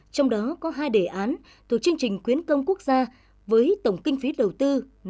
trong đó có hai đề án thuộc chương trình khuyến công quốc gia với tổng kinh phí đầu tư